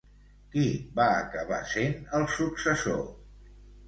Qui va acabar sent el successor?